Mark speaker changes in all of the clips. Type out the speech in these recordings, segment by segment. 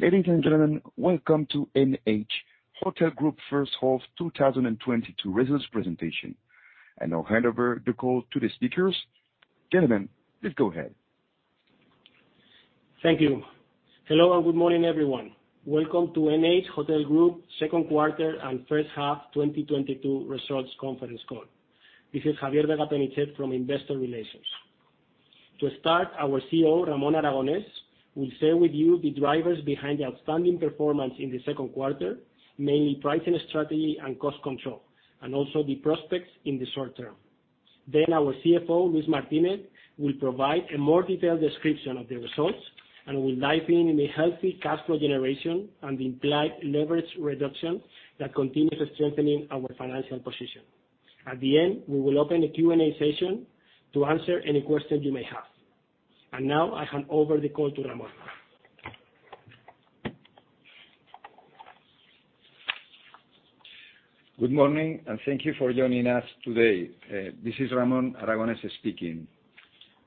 Speaker 1: Ladies and gentlemen, welcome to NH Hotel Group first half 2022 results presentation. I now hand over the call to the speakers. Gentlemen, please go ahead.
Speaker 2: Thank you. Hello, and good morning, everyone. Welcome to NH Hotel Group second quarter and first half 2022 results conference call. This is Javier Vega-Penichet from Investor Relations. To start, our CEO, Ramón Aragonés, will share with you the drivers behind the outstanding performance in the second quarter, mainly pricing strategy and cost control, and also the prospects in the short term. Then our CFO, Luis Martínez, will provide a more detailed description of the results and will dive in in the healthy cash flow generation and the implied leverage reduction that continues strengthening our financial position. At the end, we will open the Q&A session to answer any questions you may have. Now I hand over the call to Ramón.
Speaker 3: Good morning, and thank you for joining us today. This is Ramón Aragonés speaking.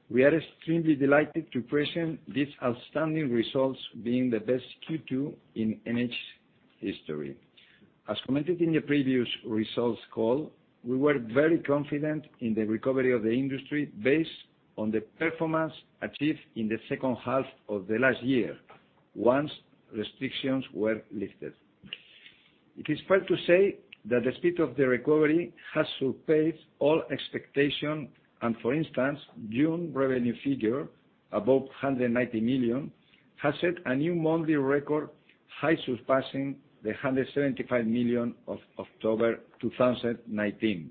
Speaker 3: We are extremely delighted to present these outstanding results being the best Q2 in NH history. As commented in the previous results call, we were very confident in the recovery of the industry based on the performance achieved in the second half of the last year once restrictions were lifted. It is fair to say that the speed of the recovery has surpassed all expectation and, for instance, June revenue figure above 190 million has set a new monthly record high surpassing the 175 million of October 2019.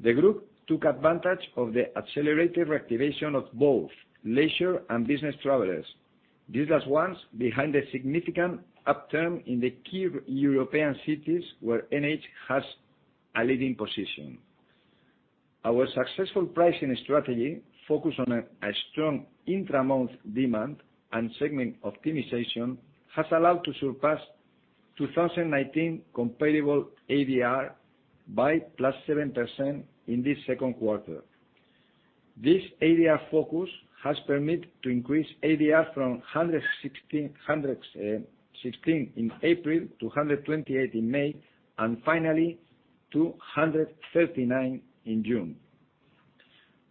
Speaker 3: The group took advantage of the accelerated reactivation of both leisure and business travelers. This was the one behind the significant upturn in the key European cities where NH has a leading position. Our successful pricing strategy focused on a strong intra-month demand and segment optimization has allowed us to surpass 2019 comparable ADR by +7% in this second quarter. This ADR focus has permitted to increase ADR from 116 in April to 128 in May, and finally, 239 in June.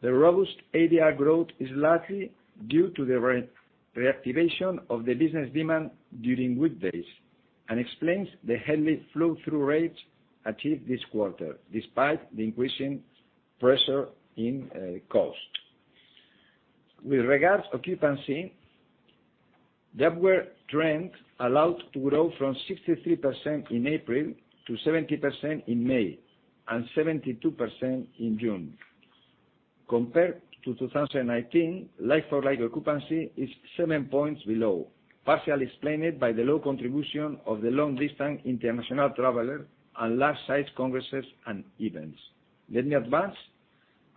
Speaker 3: The robust ADR growth is largely due to the reactivation of the business demand during weekdays, and explains the healthy flow through rates achieved this quarter, despite the increasing pressure in cost. With regard to occupancy, upward trend allowed to grow from 63% in April to 70% in May, and 72% in June. Compared to 2019, like-for-like occupancy is 7 points below, partially explained by the low contribution of the long distance international traveler and large size congresses and events. Let me add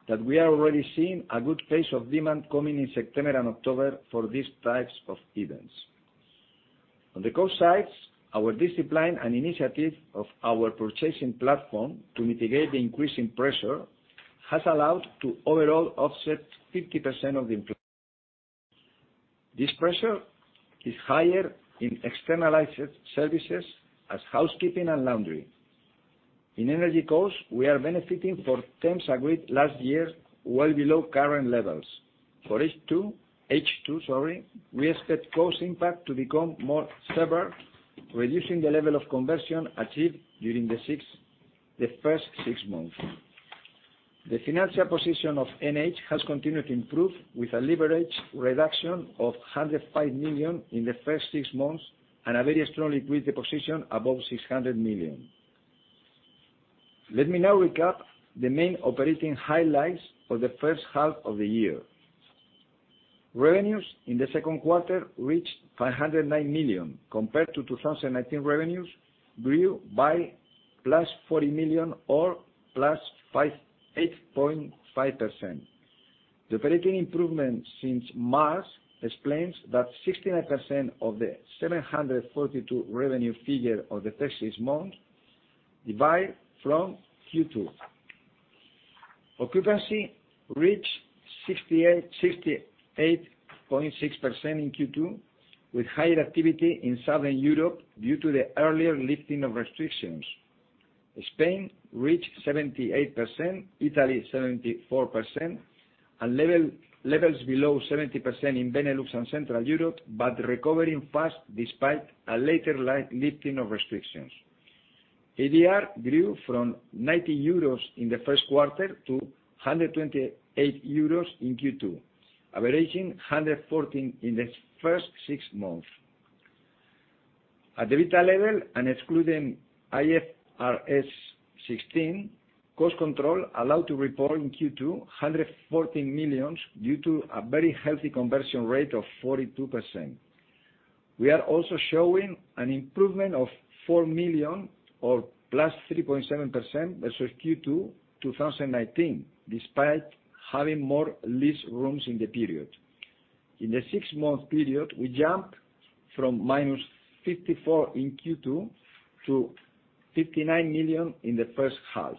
Speaker 3: that we are already seeing a good pace of demand coming in September and October for these types of events. On the cost side, our discipline and initiative of our purchasing platform to mitigate the increasing pressure has allowed to overall offset 50% of the inflation. This pressure is higher in externalized services as housekeeping and laundry. In energy costs, we are benefiting from terms agreed last year, well below current levels. For H2, sorry, we expect cost impact to become more severe, reducing the level of conversion achieved during the first six months. The financial position of NH has continued to improve with a leverage reduction of 105 million in the first six months, and a very strong liquid position above 600 million. Let me now recap the main operating highlights for the first half of the year. Revenues in the second quarter reached 509 million compared to 2019 revenues grew by +40 million or +8.5%. The operating improvement since March explains that 69% of the 742 revenue figure of the first six months derive from Q2. Occupancy reached 68.6% in Q2, with higher activity in Southern Europe due to the earlier lifting of restrictions. Spain reached 78%, Italy 74%, and levels below 70% in Benelux and Central Europe, but recovering fast despite a later lifting of restrictions. ADR grew from 90 euros in the first quarter to 128 euros in Q2, averaging 114 in the first six months. At the EBITDA level and excluding IFRS 16, cost control allowed to report in Q2 114 million due to a very healthy conversion rate of 42%. We are also showing an improvement of 4 million or +3.7% versus Q2 2019, despite having more leased rooms in the period. In the six-month period, we jumped from -54 million in Q2 to 59 million in the first half.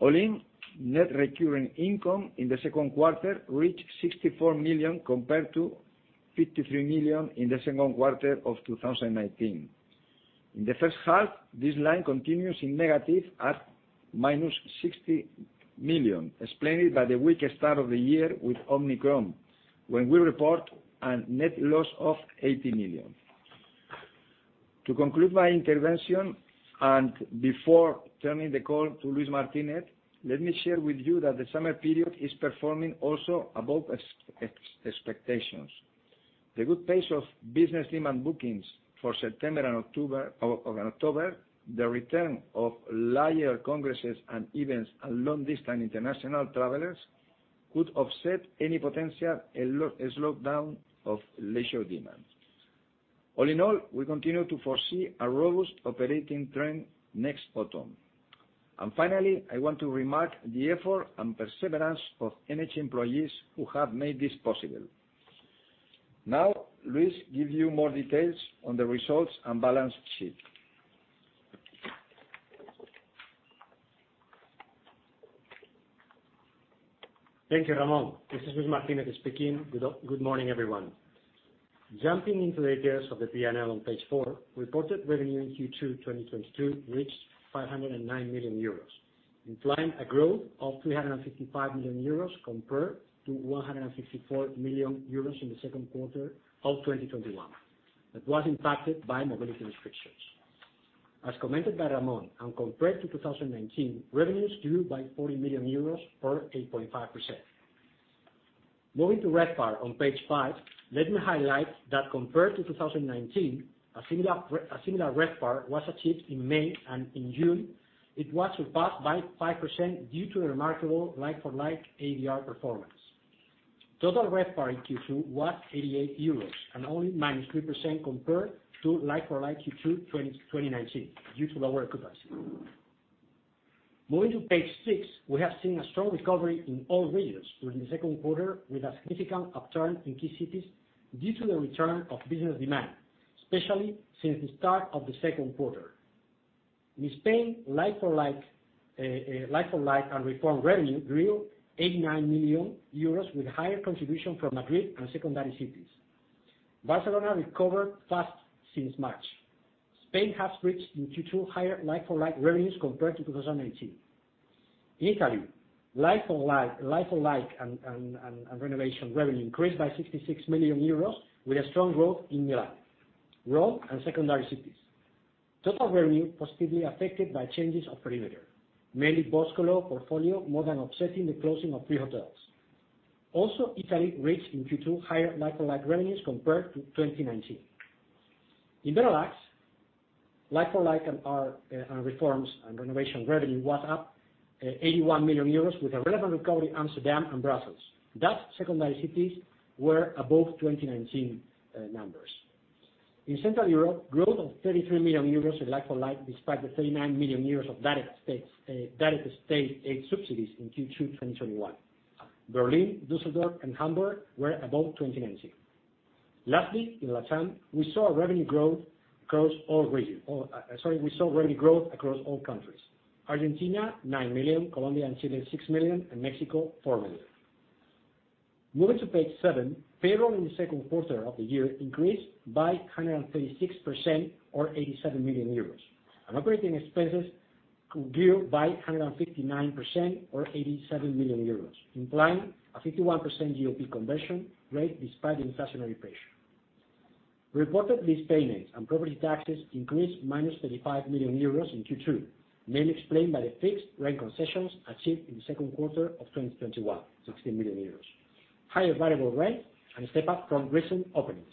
Speaker 3: All-in net recurring income in the second quarter reached 64 million compared to 53 million in the second quarter of 2019. In the first half, this line continues in negative at -60 million, explained by the weaker start of the year with Omicron, when we report a net loss of 80 million. To conclude my intervention and before turning the call to Luis Martínez, let me share with you that the summer period is performing also above expectations. The good pace of business demand bookings for September and October, the return of larger congresses and events and long-distance international travelers could offset any potential a slowdown of leisure demand. All in all, we continue to foresee a robust operating trend next autumn. Finally, I want to remark the effort and perseverance of NH employees who have made this possible. Now, Luis give you more details on the results and balance sheet.
Speaker 4: Thank you, Ramón. This is Luis Martínez speaking. Good morning, everyone. Jumping into the details of the P&L on page four, reported revenue in Q2 2022 reached 509 million euros, implying a growth of 355 million euros compared to 154 million euros in the second quarter of 2021, that was impacted by mobility restrictions. As commented by Ramón, compared to 2019, revenues grew by 40 million euros or 8.5%. Moving to RevPAR on page five, let me highlight that compared to 2019, a similar RevPAR was achieved in May, and in June, it was surpassed by 5% due to the remarkable like-for-like ADR performance. Total RevPAR in Q2 was 88 euros and only -3% compared to like-for-like Q2 2019 due to lower capacity. Moving to page six, we have seen a strong recovery in all regions during the second quarter with a significant upturn in key cities due to the return of business demand, especially since the start of the second quarter. In Spain, like-for-like and room revenue grew 89 million euros with higher contribution from Madrid and secondary cities. Barcelona recovered fast since March. Spain has reached in Q2 higher like-for-like revenues compared to 2019. In Italy, like-for-like and renovation revenue increased by 66 million euros with a strong growth in Milan, Rome, and secondary cities. Total revenue positively affected by changes of perimeter, mainly Boscolo portfolio more than offsetting the closing of three hotels. Also, Italy reached in Q2 higher like-for-like revenues compared to 2019. In Benelux, like-for-like and our reforms and renovation revenue was up 81 million euros with a relevant recovery Amsterdam and Brussels. Those secondary cities were above 2019 numbers. In Central Europe, growth of 33 million euros in like-for-like despite the 39 million euros of direct state aid subsidies in Q2 2021. Berlin, Düsseldorf, and Hamburg were above 2019. Lastly, in LatAm, we saw revenue growth across all countries. Argentina, 9 million; Colombia and Chile, 6 million; and Mexico, 4 million. Moving to page seven, payroll in the second quarter of the year increased by 136% or 87 million euros, and operating expenses grew by 159% or 87 million euros, implying a 51% GOP conversion rate despite inflationary pressure. Reported lease payments and property taxes increased minus 35 million euros in Q2, mainly explained by the fixed rent concessions achieved in the second quarter of 2021, 16 million euros, higher variable rent, and step up from recent openings.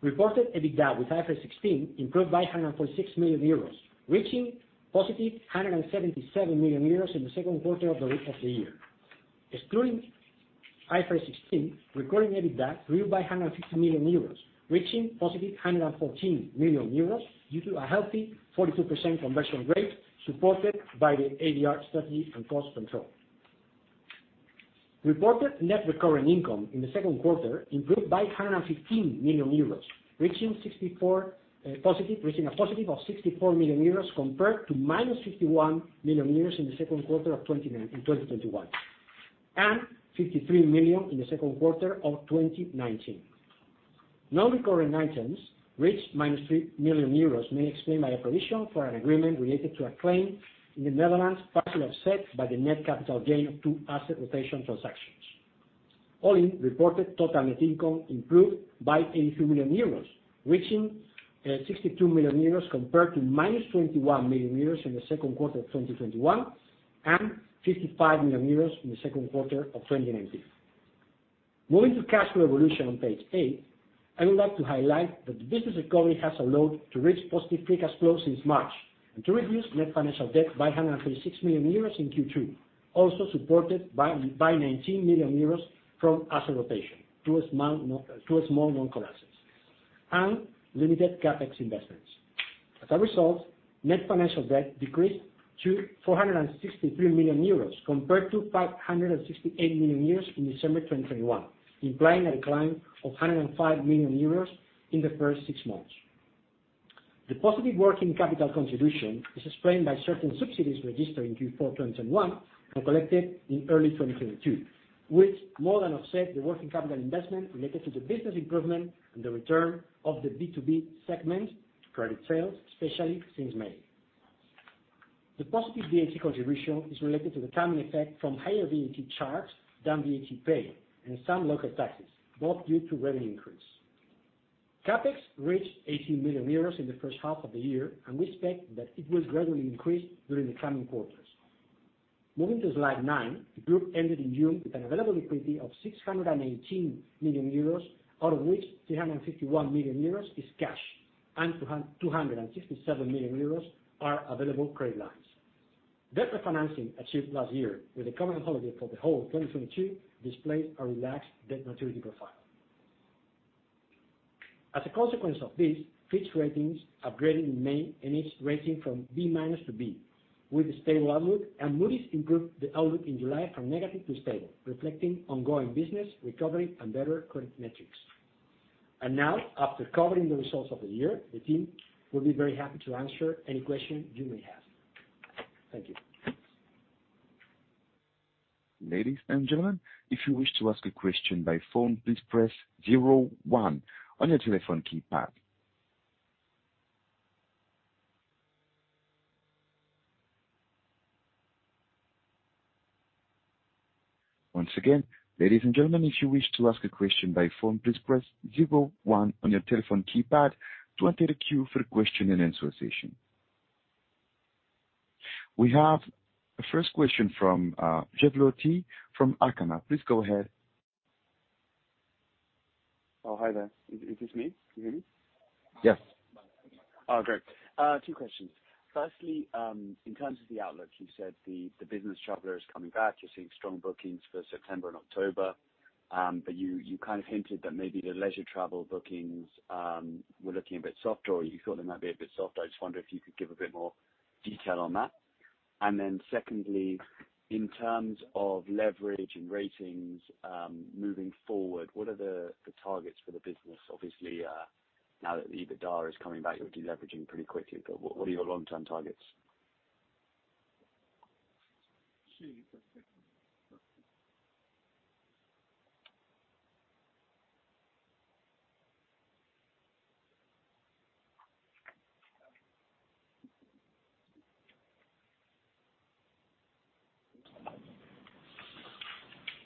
Speaker 4: Reported EBITDA with IFRS 16 improved by 146 million euros, reaching positive 177 million euros in the second quarter of the year. Excluding IFRS 16, recorded EBITDA grew by 150 million euros, reaching +114 million euros due to a healthy 42% conversion rate supported by the ADR strategy and cost control. Reported net recurring income in the second quarter improved by 115 million euros, reaching a +64 million euros compared to -51 million euros in the second quarter of 2021, and 53 million in the second quarter of 2019. Non-recurring items reached -3 million euros, mainly explained by a provision for an agreement related to a claim in the Netherlands, partially offset by the net capital gain of two asset rotation transactions. All in, reported total net income improved by 83 million euros, reaching 62 million euros compared to -21 million euros in the second quarter of 2021, and 55 million euros in the second quarter of 2019. Moving to cash flow evolution on page eight, I would like to highlight that the business recovery has allowed to reach positive free cash flow since March and to reduce net financial debt by 136 million euros in Q2, also supported by nineteen million euros from asset rotation to a small non-core assets, and limited CapEx investments. As a result, net financial debt decreased to 463 million euros compared to 568 million euros in December 2021, implying a decline of 105 million euros in the first six months. The positive working capital contribution is explained by certain subsidies registered in Q4 2021 and collected in early 2022, which more than offset the working capital investment related to the business improvement and the return of the B2B segment credit sales, especially since May. The positive VAT contribution is related to the timing effect from higher VAT charged than VAT paid and some local taxes, both due to revenue increase. CapEx reached 80 million euros in the first half of the year, and we expect that it will gradually increase during the coming quarters. Moving to slide nine. The group ended in June with an available liquidity of 618 million euros, out of which 351 million euros is cash, and two hundred and sixty-seven million euros are available credit lines. Debt refinancing achieved last year with a covenant holiday for the whole 2022 displays a relaxed debt maturity profile. As a consequence of this, Fitch Ratings upgraded in May NH's rating from B- to B with a stable outlook, and Moody's improved the outlook in July from negative to stable, reflecting ongoing business recovery and better credit metrics. Now, after covering the results of the year, the team will be very happy to answer any questions you may have. Thank you.
Speaker 1: Ladies and gentlemen, if you wish to ask a question by phone, please press zero one on your telephone keypad. Once again, ladies and gentlemen, if you wish to ask a question by phone, please press zero one on your telephone keypad to enter the queue for the question-and-answer session. We have the first question from [Jeff Lotti from Arcana]. Please go ahead.
Speaker 5: Oh, hi there. Is this me? Can you hear me?
Speaker 3: Yes.
Speaker 5: Oh, great. Two questions. Firstly, in terms of the outlook, you said the business traveler is coming back. You're seeing strong bookings for September and October. But you kind of hinted that maybe the leisure travel bookings were looking a bit soft or you thought they might be a bit soft. I just wonder if you could give a bit more detail on that. Secondly, in terms of leverage and ratings, moving forward, what are the targets for the business? Obviously, now that the EBITDA is coming back, you're deleveraging pretty quickly, but what are your long-term targets?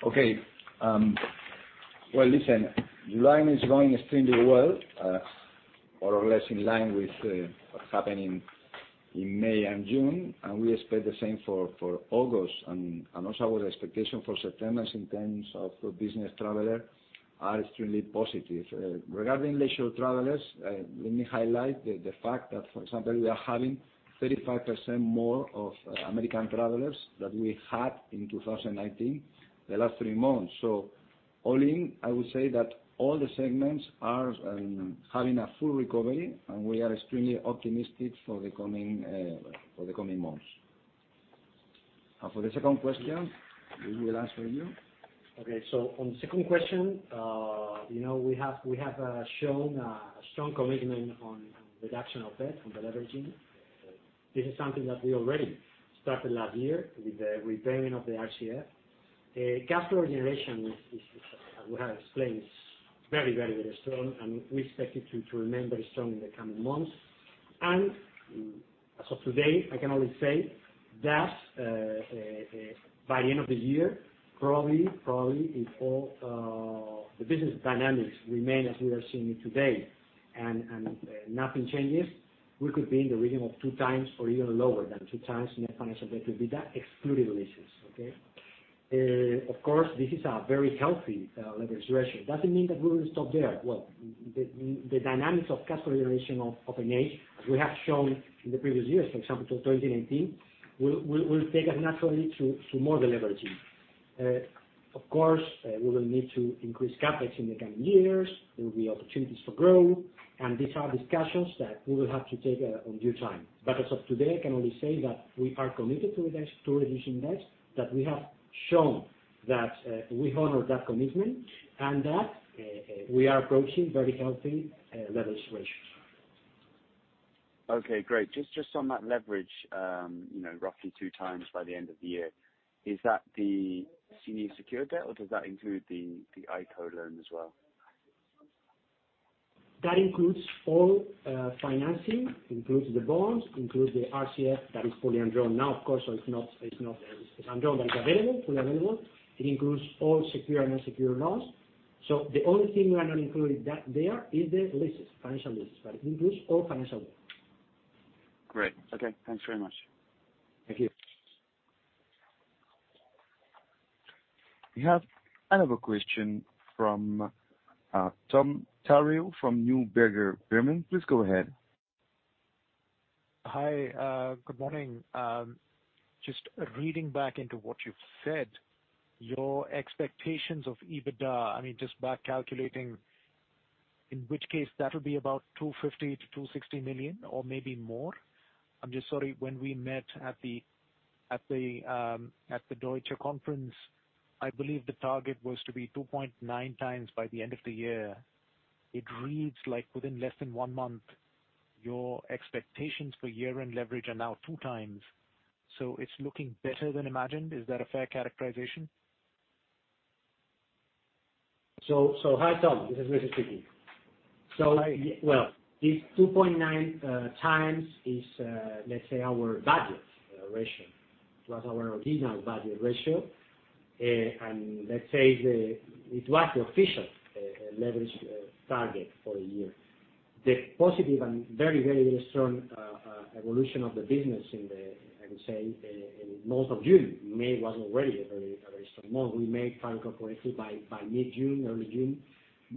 Speaker 3: Okay. Well, listen, July is going extremely well, more or less in line with what happened in May and June, and we expect the same for August. Also our expectation for September in terms of the business traveler are extremely positive. Regarding leisure travelers, let me highlight the fact that, for example, we are having 35% more American travelers that we had in 2019 the last three months. All in, I would say that all the segments are having a full recovery, and we are extremely optimistic for the coming months. For the second question, Luis will answer you.
Speaker 4: Okay. On the second question, you know, we have shown a strong commitment on reduction of debt, on deleveraging. This is something that we already started last year with the repayment of the RCF. Capital generation is, as we have explained, very strong, and we expect it to remain very strong in the coming months. As of today, I can only say that, by the end of the year, probably if all the business dynamics remain as we are seeing it today and nothing changes, we could be in the region of 2x or even lower than 2x net financial debt to EBITDA, excluding leases. Okay. Of course, this is a very healthy leverage ratio. It doesn't mean that we will stop there. Well, the dynamics of capital generation of NH, as we have shown in the previous years, for example, till 2019, will take us naturally to more deleveraging. Of course, we will need to increase CapEx in the coming years. There will be opportunities for growth, and these are discussions that we will have to take in due time. As of today, I can only say that we are committed to this, to reducing debt, that we have shown that we honor that commitment and that we are approaching very healthy leverage ratios.
Speaker 5: Okay, great. Just on that leverage, you know, roughly 2x by the end of the year. Is that the senior secured debt or does that include the ICO loan as well?
Speaker 4: That includes all financing. It includes the bonds, includes the RCF that is fully undrawn now, of course, so it's undrawn, but it's available, fully available. It includes all secured and unsecured loans. The only thing we are not including is the leases, financial leases, but it includes all financial debt.
Speaker 5: Great. Okay. Thanks very much.
Speaker 4: Thank you.
Speaker 1: We have another question from Tom Tharayil from Neuberger Berman. Please go ahead.
Speaker 6: Hi. Good morning. Just reading back into what you've said, your expectations of EBITDA, I mean, just back calculating, in which case that'll be about 250 million-260 million or maybe more. I'm just sorry, when we met at the Deutsche Conference, I believe the target was to be 2.9x by the end of the year. It reads like within less than 1 month, your expectations for year-end leverage are now 2x. It's looking better than imagined. Is that a fair characterization?
Speaker 4: Hi, Tom, this is very tricky. Well, this 2.9x is, let's say our budget ratio. It was our original budget ratio. Let's say it was the official leverage target for the year. The positive and very, very strong evolution of the business in the, I would say, in most of June. May was already a very strong month. We made 5.4 by mid-June, early June.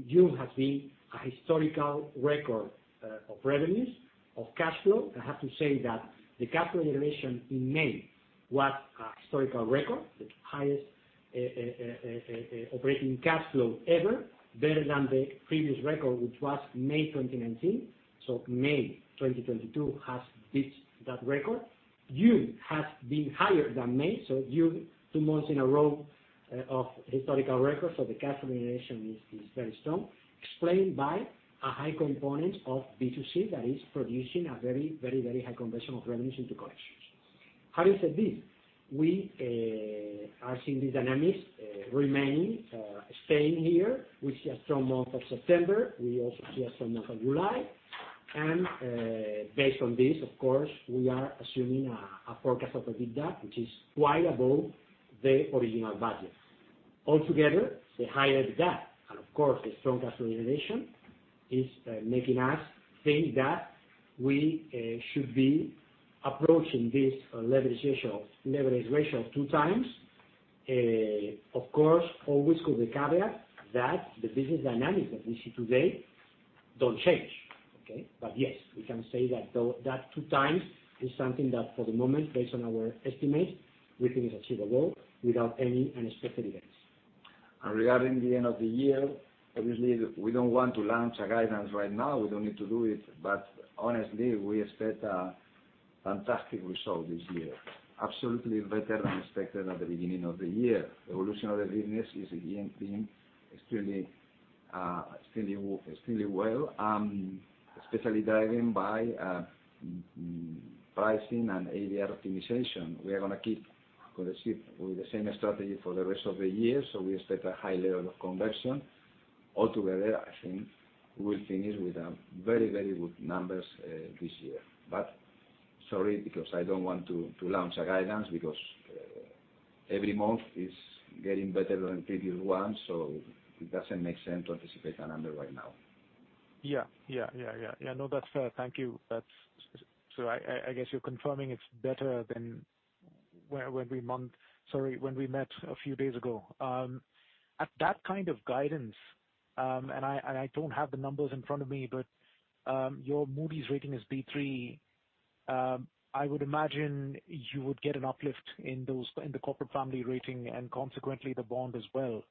Speaker 4: June has been a historical record of revenues, of cash flow. I have to say that the cash generation in May was a historical record, the highest operating cash flow ever better than the previous record, which was May 2019. May 2022 has beat that record. June has been higher than May, so June, two months in a row, of historical records. The cash generation is very strong, explained by a high component of B2C that is producing a very high conversion of revenues into collections. Having said this, we are seeing these dynamics remaining, staying here. We see a strong month of September. We also see a strong month of July. Based on this, of course, we are assuming a forecast of EBITDA, which is quite above the original budget. Altogether, the lower the debt, and of course the strong cash flow generation is making us think that we should be approaching this leverage ratio 2x. Of course, always with the caveat that the business dynamics that we see today don't change, okay? Yes, we can say that though, that two times is something that for the moment, based on our estimate, we think is achievable without any unexpected events.
Speaker 3: Regarding the end of the year, obviously we don't want to launch a guidance right now. We don't need to do it, but honestly, we expect a fantastic result this year. Absolutely better than expected at the beginning of the year. Evolution of the business is again being extremely well, especially driven by pricing and ADR optimization. We are gonna keep consistent with the same strategy for the rest of the year, so we expect a high level of conversion. Altogether, I think we'll finish with very, very good numbers this year. Sorry, because I don't want to launch a guidance because every month is getting better than previous one, so it doesn't make sense to anticipate a number right now.
Speaker 6: Yeah. No, that's fair. Thank you. That's. I guess you're confirming it's better than when we met a few days ago. At that kind of guidance, and I don't have the numbers in front of me, but your Moody's rating is B3. I would imagine you would get an uplift in those, in the corporate family rating and consequently the bond as well.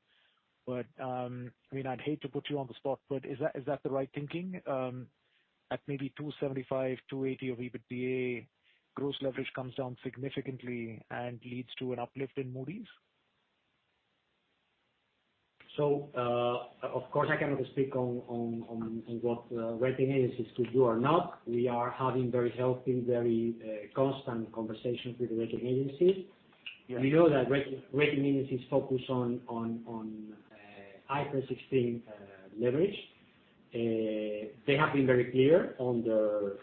Speaker 6: I mean, I'd hate to put you on the spot, but is that the right thinking? At maybe 2.75x-2.80x EBITDA, gross leverage comes down significantly and leads to an uplift in Moody's.
Speaker 4: Of course, I cannot speak on what rating agencies could do or not. We are having very healthy, constant conversations with the rating agencies.
Speaker 6: Yeah.
Speaker 4: We know that rating agencies focus on IFRS 16 leverage. They have been very clear on the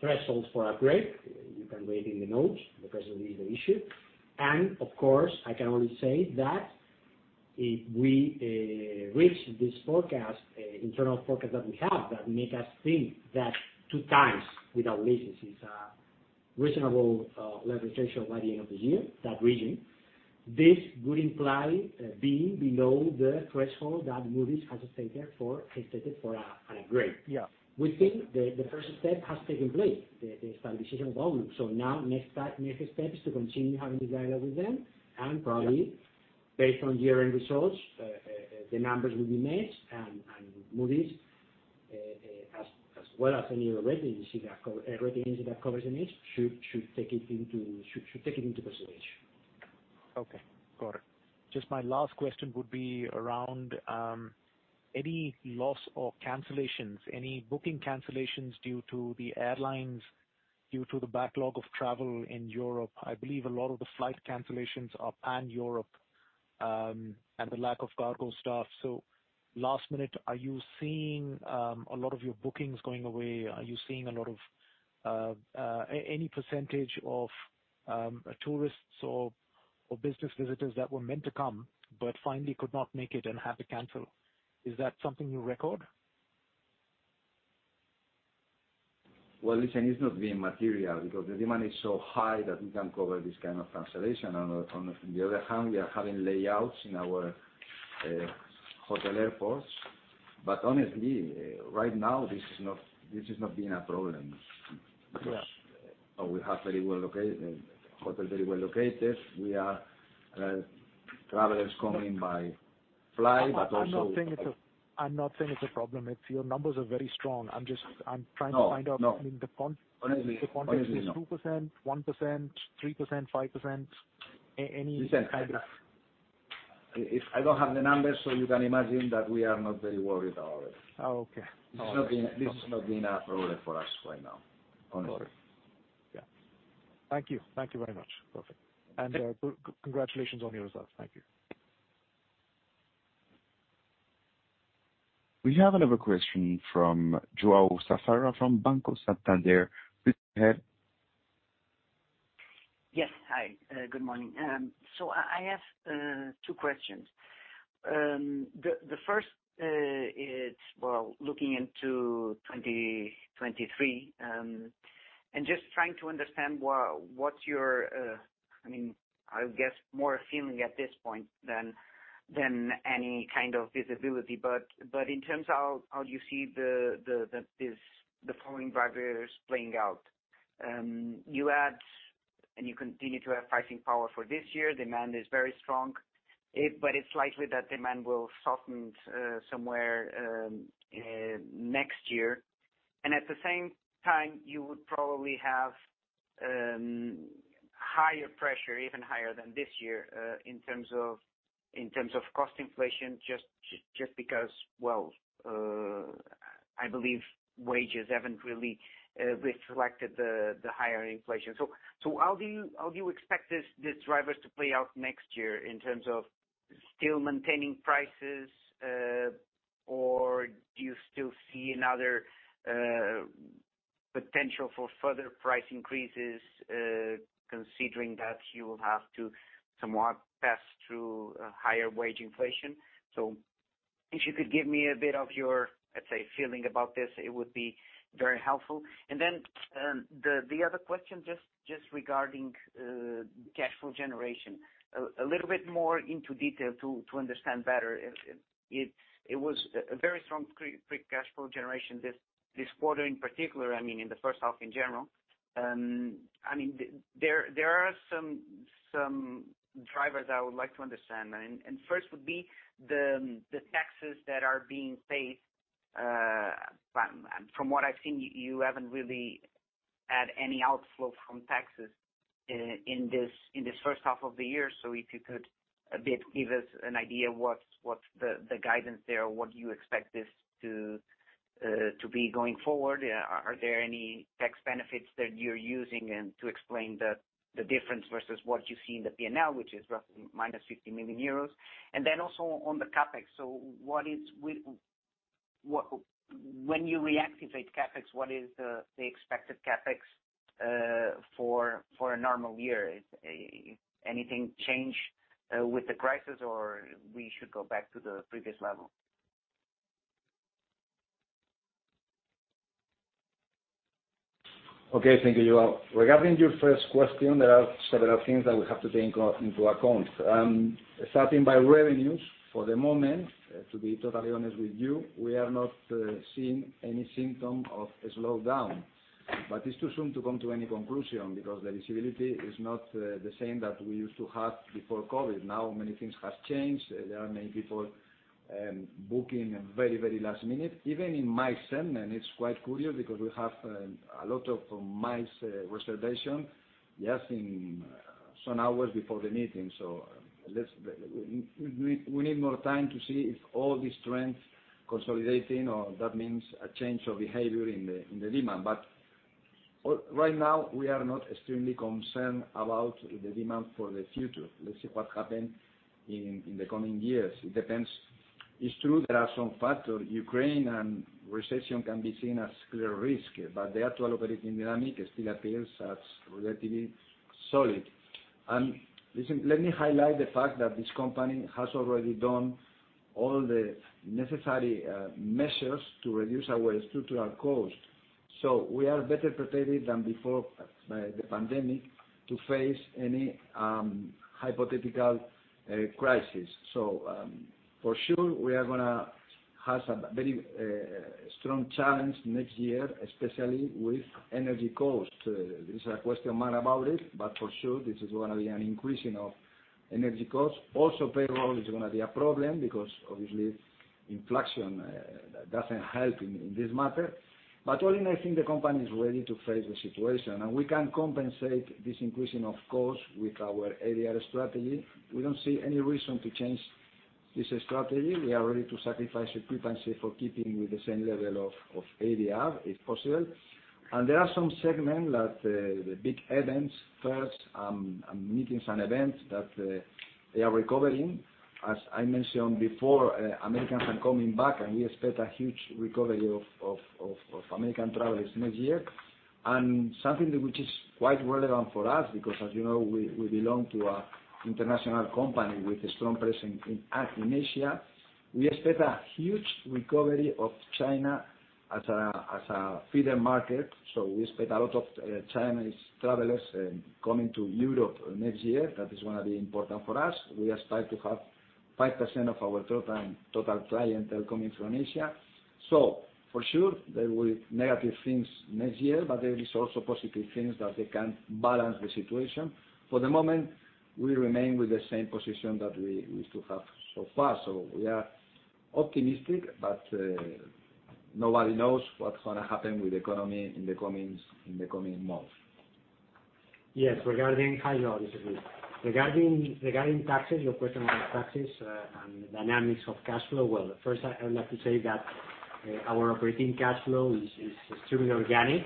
Speaker 4: thresholds for upgrade. You can read in the notes the press release we issued. Of course, I can only say that if we reach this internal forecast that we have that make us think that 2x with our leases is a reasonable leverage ratio by the end of the year, this would imply being below the threshold that Moody's has stated for an upgrade.
Speaker 6: Yeah.
Speaker 4: We think the first step has taken place, the establishment of outlook. Now next step is to continue having this dialogue with them.
Speaker 6: Yeah.
Speaker 4: Probably based on year-end results, the numbers will be met, and Moody's, as well as any other rating agency, every rating agency that covers this, should take it into consideration.
Speaker 6: Okay. Got it. Just my last question would be around any loss or cancellations, any booking cancellations due to the airlines, due to the backlog of travel in Europe. I believe a lot of the flight cancellations are pan-European, and the lack of cargo staff. Last minute, are you seeing a lot of your bookings going away? Are you seeing a lot of any percentage of tourists or business visitors that were meant to come but finally could not make it and had to cancel? Is that something you record?
Speaker 3: Well, listen, it's not being material because the demand is so high that we can cover this kind of cancellation. On the other hand, we are having layoffs in our airport hotels. Honestly, right now, this is not being a problem.
Speaker 6: Yeah.
Speaker 3: We have very well located hotels very well located. We are travelers coming by.
Speaker 6: I'm not saying it's a problem. It's your numbers are very strong. I'm trying to find out.
Speaker 3: No, no.
Speaker 6: I mean.
Speaker 3: Honestly, no.
Speaker 6: The quantity is 2%, 1%, 3%, 5%.
Speaker 3: Listen, I don't have the numbers, so you can imagine that we are not very worried about it.
Speaker 6: Oh, okay. All right.
Speaker 3: This is not being a problem for us right now, honestly.
Speaker 6: Got it. Yeah. Thank you. Thank you very much. Perfect. Congratulations on your results. Thank you.
Speaker 1: We have another question from João Safara from Banco Santander. Please go ahead.
Speaker 7: Yes. Hi. Good morning. I have two questions. The first is, well, looking into 2023, and just trying to understand what your, I mean, I guess more a feeling at this point than any kind of visibility, but in terms of how you see the following drivers playing out. You had, and you continue to have pricing power for this year. Demand is very strong. It's likely that demand will soften somewhere next year. At the same time, you would probably have higher pressure, even higher than this year, in terms of cost inflation, just because, well, I believe wages haven't really reflected the higher inflation. How do you expect these drivers to play out next year in terms of still maintaining prices, or do you still see another potential for further price increases, considering that you will have to somewhat pass through higher wage inflation? If you could give me a bit of your, let's say, feeling about this, it would be very helpful. Then the other question just regarding cash flow generation. A little bit more into detail to understand better. It was a very strong free cash flow generation this quarter in particular, I mean, in the first half in general. I mean, there are some drivers I would like to understand. First would be the taxes that are being paid. From what I've seen, you haven't really had any outflow from taxes in this first half of the year. If you could a bit give us an idea what's the guidance there, what you expect this to be going forward. Are there any tax benefits that you're using to explain the difference versus what you see in the P&L, which is roughly minus 50 million euros? Then also on the CapEx. When you reactivate CapEx, what is the expected CapEx for a normal year? Has anything changed with the crisis or should we go back to the previous level?
Speaker 3: Okay. Thank you, João. Regarding your first question, there are several things that we have to take into account. Starting by revenues, for the moment, to be totally honest with you, we are not seeing any symptom of a slowdown. It's too soon to come to any conclusion because the visibility is not the same that we used to have before COVID. Now, many things has changed. There are many people booking very, very last minute. Even in MICE segment, it's quite curious because we have a lot of MICE reservation just in some hours before the meeting. We need more time to see if all the strength consolidating or that means a change of behavior in the demand. Right now, we are not extremely concerned about the demand for the future. Let's see what happens in the coming years. It depends. It's true there are some factors. Ukraine and recession can be seen as clear risks, but the actual operating dynamics still appears as relatively solid. Listen, let me highlight the fact that this company has already done all the necessary measures to reduce our structural costs. We are better prepared than before the pandemic to face any hypothetical crisis. For sure, we are gonna have some very strong challenges next year, especially with energy costs. There's a question mark about it, but for sure this is gonna be an increase in energy costs. Also, payroll is gonna be a problem because obviously inflation doesn't help in this matter. All in, I think the company is ready to face the situation, and we can compensate this increasing of costs with our ADR strategy. We don't see any reason to change this strategy. We are ready to sacrifice frequency for keeping with the same level of ADR, if possible. There are some segments that the big events first, meetings and events that they are recovering. As I mentioned before, Americans are coming back, and we expect a huge recovery of American travelers next year. Something which is quite relevant for us because, as you know, we belong to an international company with a strong presence in Asia. We expect a huge recovery of China as a feeder market. We expect a lot of Chinese travelers coming to Europe next year. That is gonna be important for us. We expect to have 5% of our total clientele coming from China. For sure there will be negative things next year, but there is also positive things that they can balance the situation. For the moment, we remain with the same position that we still have so far. We are optimistic, but nobody knows what's gonna happen with the economy in the coming months.
Speaker 4: Yes. Regarding high level, this is good. Regarding taxes, your question on taxes, and the dynamics of cash flow. Well, first I would like to say that, our operating cash flow is extremely organic.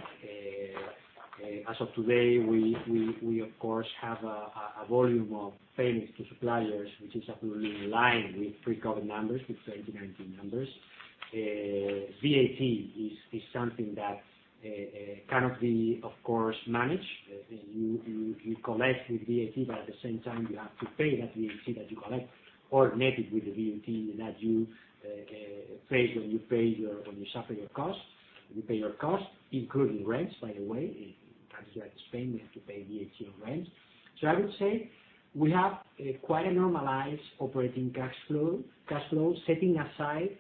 Speaker 4: As of today, we of course have a volume of payments to suppliers, which is absolutely in line with pre-COVID numbers, with 2019 numbers. VAT is something that cannot be of course managed. You collect with VAT, but at the same time you have to pay that VAT that you collect or net it with the VAT that you pay when you pay your, when you suffer your costs. When you pay your costs, including rents, by the way, as you are in Spain, you have to pay VAT on rents. I would say we have quite a normalized operating cash flow, setting aside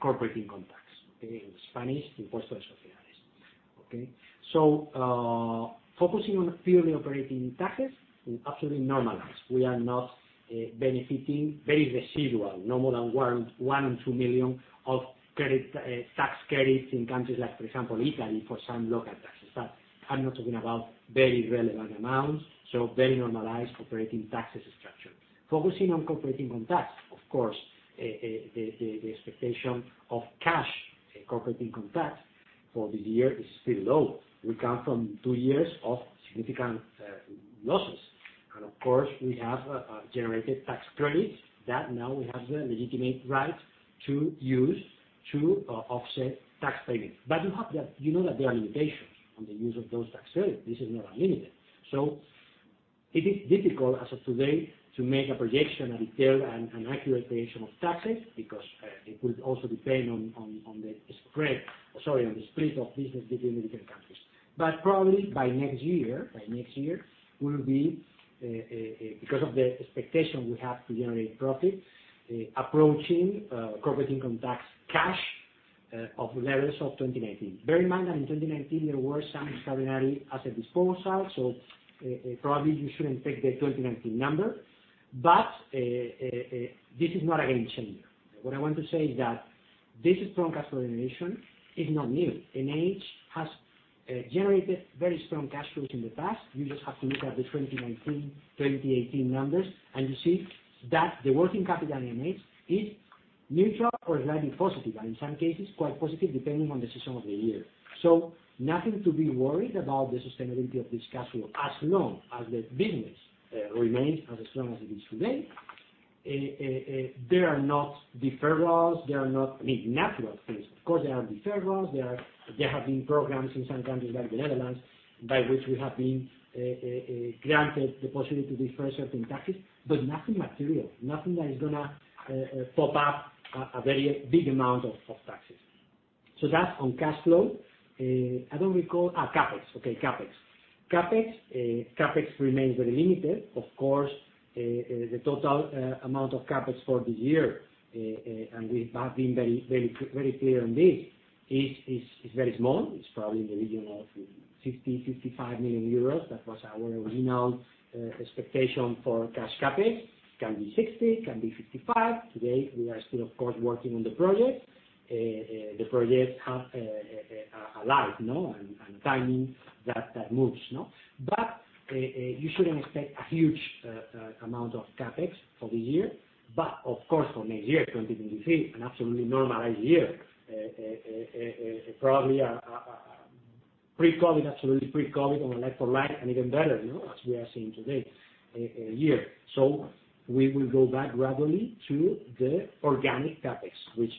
Speaker 4: corporate income tax. In Spanish, impuestos sobre el beneficio. Okay. Focusing on purely operating taxes is absolutely normalized. We are not benefiting very residual, no more than 1 million and 2 million of credit tax credits in countries like for example, Italy for some local taxes. But I'm not talking about very relevant amounts, so very normalized operating taxes structure. Focusing on corporate income tax, of course, the expectation of cash in corporate income tax for this year is still low. We come from two years of significant losses. And of course, we have generated tax credits that now we have the legitimate right to use to offset tax payments. You have that, you know that there are limitations on the use of those tax credits. This is not unlimited. It is difficult as of today to make a projection, a detailed and accurate projection of taxes because it will also depend on the split of business between different countries. Probably by next year, we'll be because of the expectation we have to generate profit approaching corporate income tax cash of levels of 2019. Bear in mind that in 2019 there were some extraordinary asset disposals. Probably you shouldn't take the 2019 number. This is not a game changer. What I want to say is that this strong cash flow generation is not new. NH has generated very strong cash flows in the past. You just have to look at the 2019, 2018 numbers, and you see that the working capital in NH is neutral or slightly positive, and in some cases quite positive, depending on the season of the year. Nothing to be worried about the sustainability of this cash flow as long as the business remains as strong as it is today. There are no deferrals. I mean, natural things. Of course, there are deferrals. There have been programs in some countries like the Netherlands, by which we have been granted the possibility to defer certain taxes, but nothing material, nothing that is gonna pop up a very big amount of taxes. That's on cash flow. I don't recall. CapEx remains very limited. Of course, the total amount of CapEx for this year, and we have been very clear on this, is very small. It's probably in the region of 50 million-55 million euros. That was our original expectation for cash CapEx. Can be 60 million, can be 55 million. Today, we are still of course working on the project. The project have a life, you know, and timing that moves, no? You shouldn't expect a huge amount of CapEx for this year. Of course, for next year, 2023, an absolutely normalized year, probably a pre-COVID, absolutely pre-COVID on a like for like and even better, you know, as we are seeing today, year. We will go back gradually to the organic CapEx, which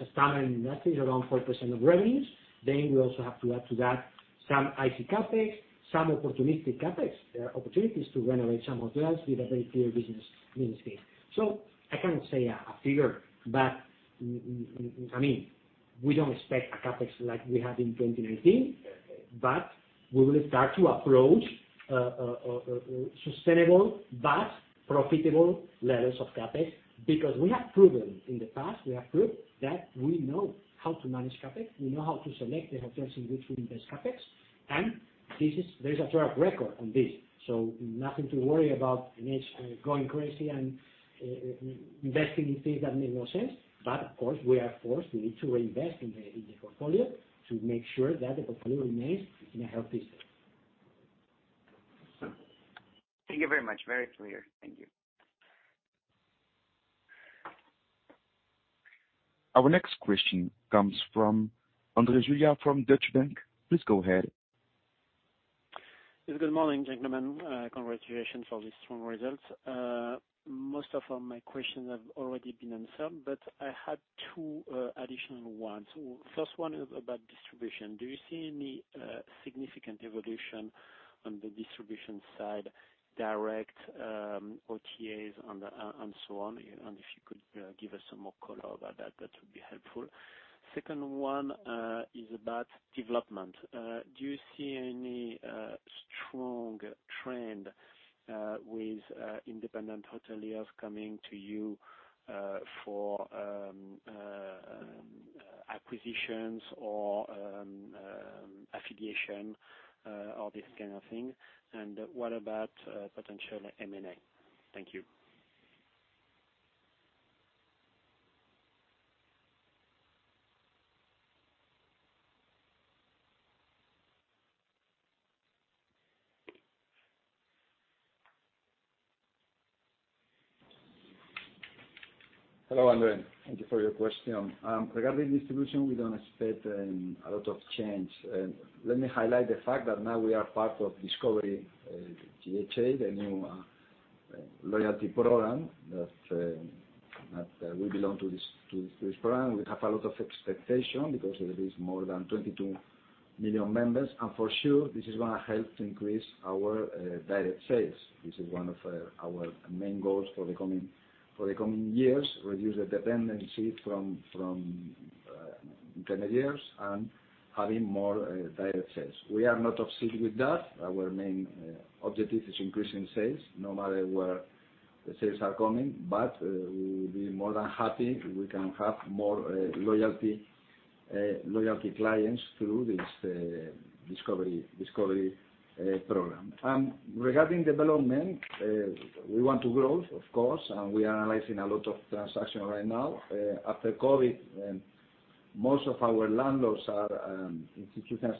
Speaker 4: as a standard invested around 4% of revenues. We also have to add to that some IC CapEx, some opportunistic CapEx. There are opportunities to renovate some hotels with a very clear business case. I cannot say a figure, but I mean, we don't expect a CapEx like we had in 2019. We will start to approach sustainable but profitable levels of CapEx because we have proven in the past, we have proved that we know how to manage CapEx. We know how to select the hotels in which we invest CapEx. This is. There's a track record on this, so nothing to worry about NH going crazy and investing in things that make no sense. Of course, we are forced. We need to reinvest in the portfolio to make sure that the portfolio remains in a healthy state.
Speaker 7: Thank you very much. Very clear. Thank you.
Speaker 1: Our next question comes from André Juillard from Deutsche Bank. Please go ahead.
Speaker 8: Yes, good morning, gentlemen. Congratulations for the strong results. Most of my questions have already been answered, but I had 2 additional ones. First one is about distribution. Do you see any significant evolution on the distribution side, direct, OTAs on the, and so on? If you could give us some more color about that would be helpful. Second one is about development. Do you see any strong trend with independent OTAs coming to you for acquisitions or affiliation or this kind of thing? What about potential M&A? Thank you.
Speaker 3: Hello, André. Thank you for your question. Regarding distribution, we don't expect a lot of change. Let me highlight the fact that now we are part of Discovery GHA, the new loyalty program, that we belong to this program. We have a lot of expectation because there is more than 22 million members. For sure, this is gonna help to increase our direct sales. This is one of our main goals for the coming years, reduce the dependency from hoteliers and having more direct sales. We are not obsessed with that. Our main objective is increasing sales, no matter where the sales are coming, but we'll be more than happy if we can have more loyalty clients through this Discovery program. Regarding development, we want to grow, of course, and we are analyzing a lot of transactions right now. After COVID, most of our landlords are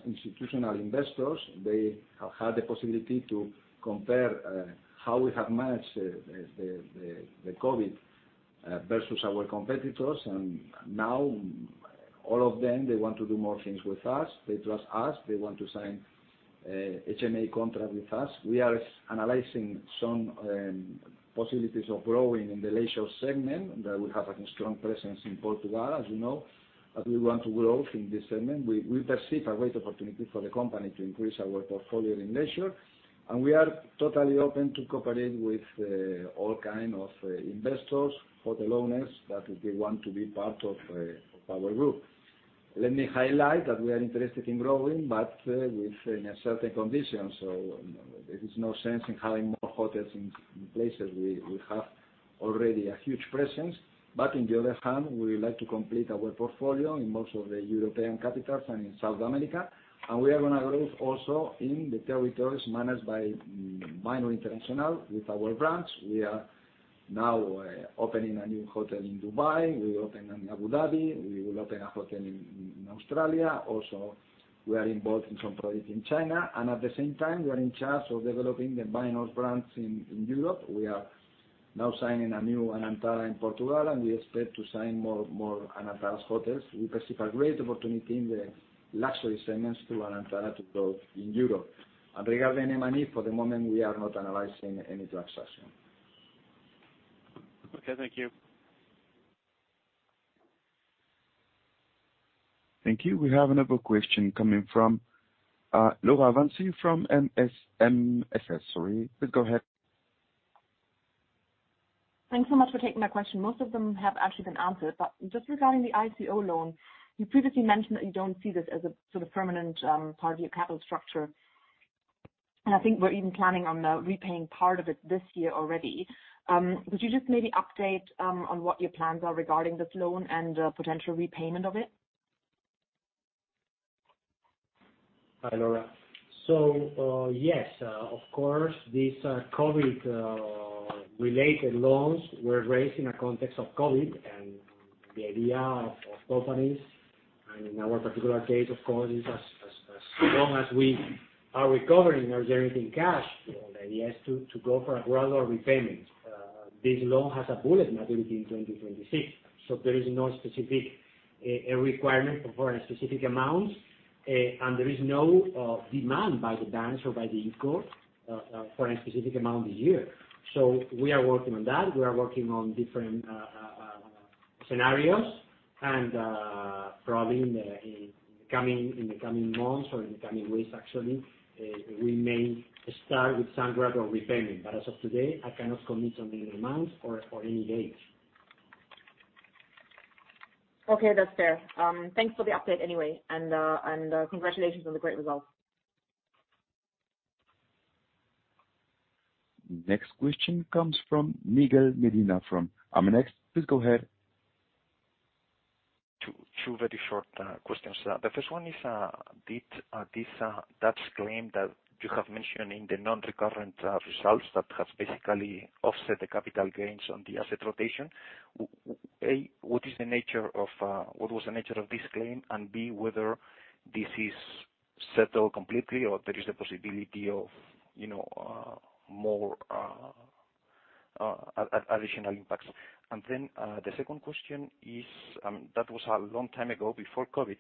Speaker 3: institutional investors. They have had the possibility to compare how we have managed the COVID versus our competitors. Now all of them, they want to do more things with us. They trust us. They want to sign HMA contract with us. We are analyzing some possibilities of growing in the leisure segment that we have a strong presence in Portugal, as you know, but we want to grow in this segment. We perceive a great opportunity for the company to increase our portfolio in leisure, and we are totally open to cooperate with all kind of investors, hotel owners that they want to be part of our group. Let me highlight that we are interested in growing, but within a certain condition. There is no sense in having more hotels in places we have already a huge presence. On the other hand, we would like to complete our portfolio in most of the European capitals and in South America. We are gonna grow also in the territories managed by Minor International with our brands. We are now opening a new hotel in Dubai. We open in Abu Dhabi. We will open a hotel in Australia. Also, we are involved in some projects in China. At the same time, we are in charge of developing the Minor brands in Europe. We are now signing a new Anantara in Portugal, and we expect to sign more Anantara hotels. We perceive a great opportunity in the luxury segments to Anantara to grow in Europe. Regarding M&A, for the moment, we are not analyzing any transaction.
Speaker 8: Okay. Thank you.
Speaker 1: Thank you. We have another question coming from [Laura Vanzi from MSM Accessory]. Please go ahead.
Speaker 9: Thanks so much for taking my question. Most of them have actually been answered. Just regarding the ICO loan, you previously mentioned that you don't see this as a sort of permanent part of your capital structure. I think we're even planning on repaying part of it this year already. Could you just maybe update on what your plans are regarding this loan and potential repayment of it?
Speaker 4: Hi, Laura. Yes, of course, these COVID related loans were raised in a context of COVID. The idea of companies, and in our particular case, of course, is as long as we are recovering or generating cash, the idea is to go for a gradual repayment. This loan has a bullet maturity in 2026, so there is no specific requirement for a specific amount, and there is no demand by the banks or by the ICO for a specific amount a year. We are working on that. We are working on different scenarios, and probably in the coming months or in the coming weeks, actually, we may start with some gradual repayment. As of today, I cannot commit on the amounts or any date.
Speaker 9: Okay. That's fair. Thanks for the update anyway. Congratulations on the great results.
Speaker 1: Next question comes from Miguel Medina from [Alantra]. Please go ahead.
Speaker 10: Two very short questions. The first one is, did this Dutch claim that you have mentioned in the non-recurrent results basically offset the capital gains on the asset rotation. A, what was the nature of this claim? And B, whether this is settled completely or there is a possibility of, you know, more additional impacts. The second question is, that was a long time ago, before COVID,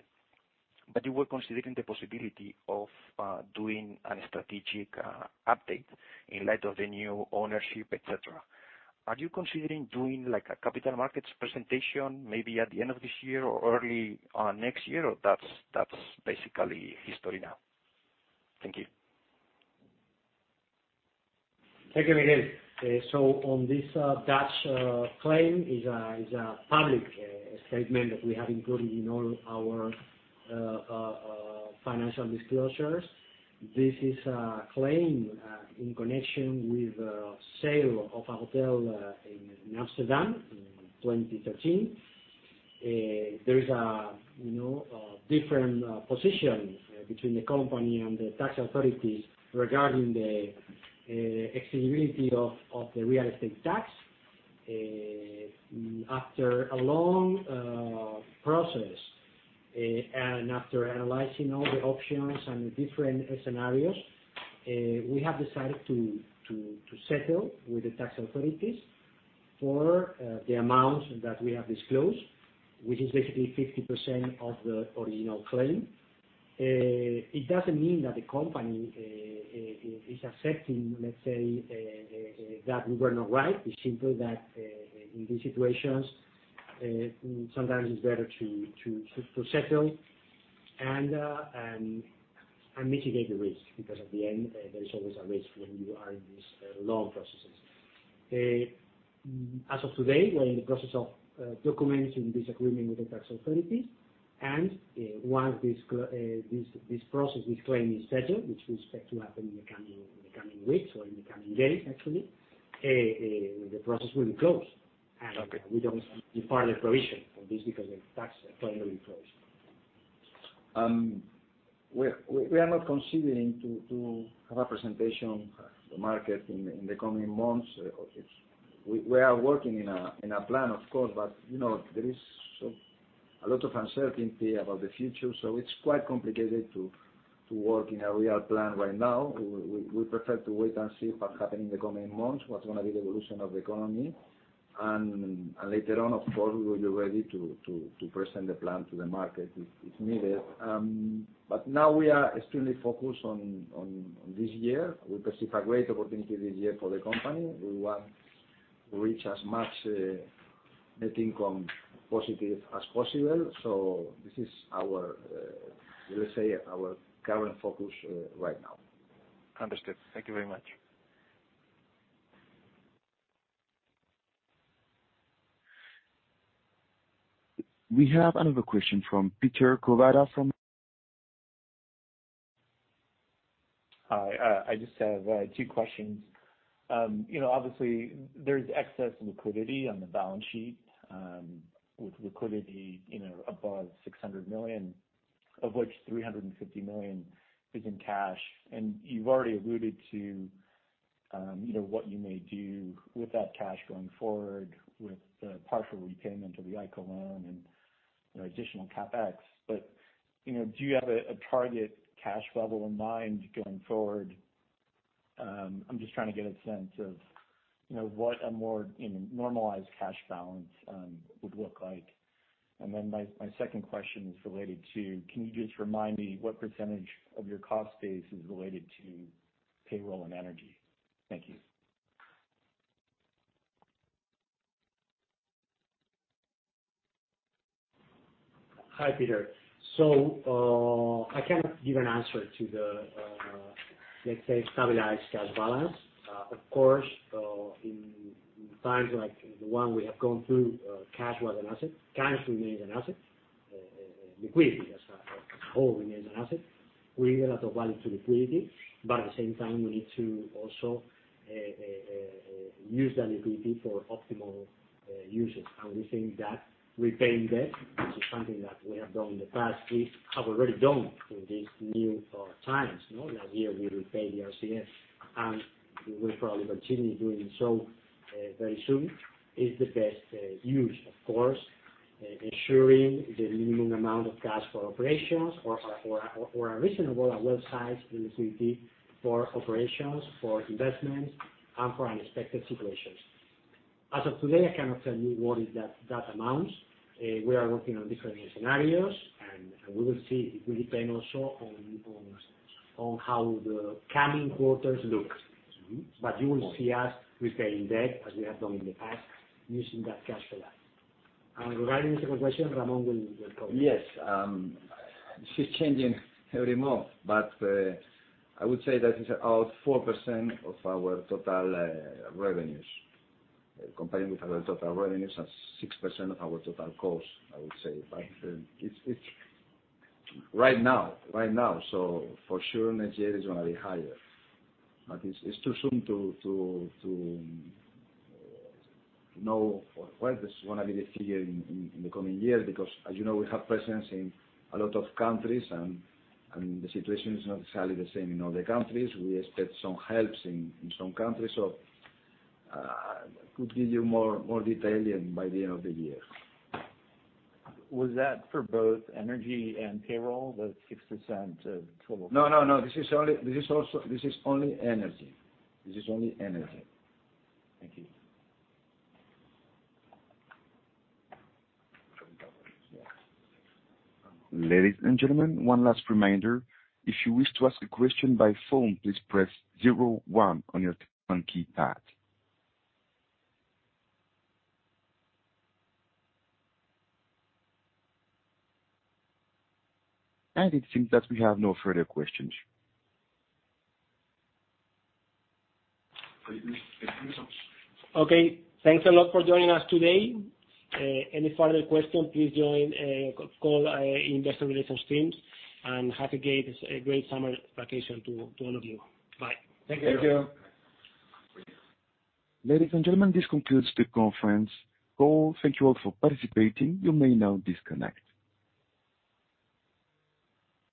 Speaker 10: but you were considering the possibility of doing a strategic update in light of the new ownership, et cetera. Are you considering doing, like, a capital markets presentation maybe at the end of this year or early next year, or that's basically history now? Thank you.
Speaker 4: Thank you again. On this Dutch claim is a public statement that we have included in all our financial disclosures. This is a claim in connection with the sale of a hotel in Amsterdam in 2013. There is, you know, a different position between the company and the tax authorities regarding the extendibility of the real estate tax. After a long process and after analyzing all the options and the different scenarios, we have decided to settle with the tax authorities for the amount that we have disclosed, which is basically 50% of the original claim. It doesn't mean that the company is accepting, let's say, that we were not right. It's simply that in these situations sometimes it's better to settle and mitigate the risk. Because at the end there is always a risk when you are in these long processes. As of today, we're in the process of documenting this agreement with the tax authorities. Once this process, this claim is settled, which we expect to happen in the coming weeks or in the coming days actually, the process will be closed. We don't depart the provision for this because the tax claim will be closed.
Speaker 3: We are not considering to have a presentation to market in the coming months. We are working in a plan, of course, but you know, there is a lot of uncertainty about the future, so it's quite complicated to work in a real plan right now. We prefer to wait and see what happen in the coming months, what's gonna be the evolution of the economy. Later on, of course, we will be ready to present the plan to the market if needed. Now we are extremely focused on this year. We perceive a great opportunity this year for the company. We want to reach as much net income positive as possible. This is our, let's say, our current focus right now.
Speaker 10: Understood. Thank you very much.
Speaker 1: We have another question from Peter Kawada from
Speaker 11: Hi. I just have two questions. You know, obviously there's excess liquidity on the balance sheet, with liquidity, you know, above 600 million, of which 350 million is in cash. You've already alluded to, you know, what you may do with that cash going forward, with the partial repayment of the ICO loan and, you know, additional CapEx. You know, do you have a target cash level in mind going forward? I'm just trying to get a sense of, you know, what a more normalized cash balance would look like. My second question is related to, can you just remind me what % of your cost base is related to payroll and energy? Thank you.
Speaker 4: Hi, Peter. I cannot give an answer to the, let's say, stabilized cash balance. Of course, in times like the one we have gone through, cash was an asset. Cash remains an asset. Liquidity as a whole remains an asset. We give a lot of value to liquidity, but at the same time, we need to also use that liquidity for optimal usage. We think that repaying debt, which is something that we have done in the past, we have already done in these new times. You know, last year we repaid the RCF, and we will probably continue doing so very soon, is the best use. Of course, ensuring the minimum amount of cash for operations or a reasonable and well-sized liquidity for operations, for investments, and for unexpected situations. As of today, I cannot tell you what is that amount. We are working on different scenarios and we will see. It will depend also on how the coming quarters look. But you will see us repaying debt as we have done in the past using that cash flow. Regarding the second question, Ramón will comment.
Speaker 3: Yes. It's changing every month, but I would say that it's about 4% of our total revenues. Comparing with our total revenues as 6% of our total costs, I would say. It's right now. For sure next year it's gonna be higher. It's too soon to know for sure what is gonna be the figure in the coming year. Because as you know, we have presence in a lot of countries and the situation is not exactly the same in all the countries. We expect some helps in some countries. Could give you more detail by the end of the year.
Speaker 11: Was that for both energy and payroll, the 6% of total costs?
Speaker 3: No. This is only energy.
Speaker 11: Thank you.
Speaker 1: Ladies and gentlemen, one last reminder. If you wish to ask a question by phone, please press zero one on your phone keypad. It seems that we have no further questions.
Speaker 2: Okay. Thanks a lot for joining us today. Any further question, please join call investor relations teams and have a great summer vacation to all of you. Bye.
Speaker 3: Thank you.
Speaker 11: Thank you.
Speaker 1: Ladies and gentlemen, this concludes the conference call. Thank you all for participating. You may now disconnect.